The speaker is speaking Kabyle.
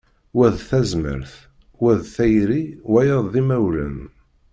Wa d tazmart, wa d tayri, wayeḍ d imawlan.